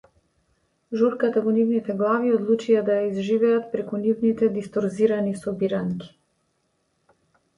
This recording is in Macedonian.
Журката во нивните глави одлучија да ја изживеат преку нивните дисторзирани собиранки.